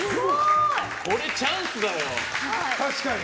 これ、チャンスだろ。